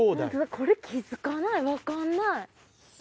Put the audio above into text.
これ気付かない分かんない。